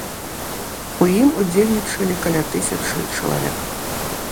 У ім удзельнічалі каля тысячы чалавек.